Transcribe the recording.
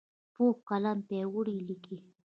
پوخ قلم پیاوړی لیکي